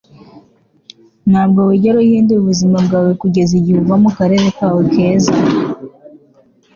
ntabwo wigera uhindura ubuzima bwawe kugeza igihe uva mukarere kawe keza